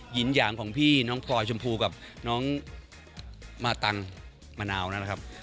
ยินยางของพี่น้องพลอยชมพูกับน้องมาตังมะนาวนะครับ